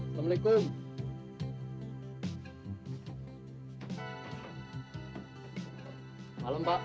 selamat malam pak